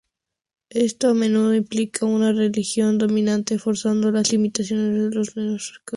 Esto a menudo implica una religión dominante forzando las limitaciones de las menos frecuentes.